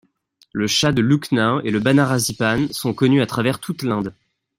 Le chaat de Lucknow et le Banarasi paan sont connus à travers toute l'Inde.